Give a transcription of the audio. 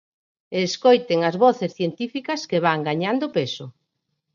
E escoiten as voces científicas que van gañando peso.